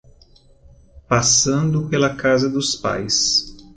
Passando pela casa dos pais